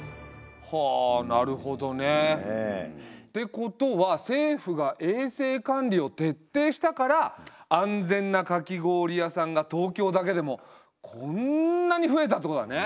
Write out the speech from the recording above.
ってことは政府が衛生管理を徹底したから安全なかき氷屋さんが東京だけでもこんなに増えたってことだね？